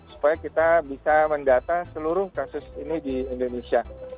supaya kita bisa mendata seluruh kasus ini di indonesia